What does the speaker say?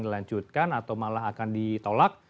dilanjutkan atau malah akan ditolak